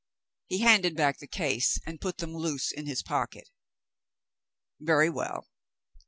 He handed back the case, and put them loose in his pocket. "Very well.